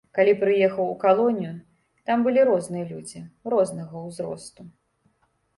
Калі прыехаў у калонію, там былі розныя людзі, рознага ўзросту.